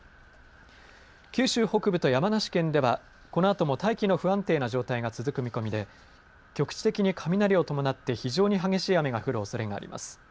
九州北部と山梨県ではこのあとも大気の不安定な状態が続く見込みで局地的に雷を伴って非常に激しい雨が降るおそれがあります。